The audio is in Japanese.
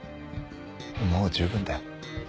もう十分だよ。